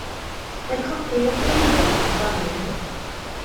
Mae copi wedi'i anfon i'ch adrannau hefyd